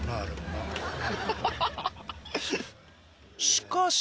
しかし。